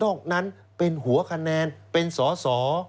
นั้นเป็นหัวคะแนนเป็นสอสอ